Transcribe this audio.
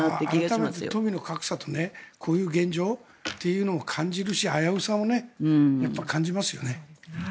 改めて富の格差とこういう現状というのを感じるし危うさも感じますよね。